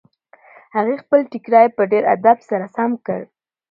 هغې خپل ټیکری په ډېر ادب سره سم کړ.